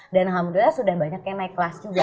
dan alhamdulillah sudah banyak yang naik kelas juga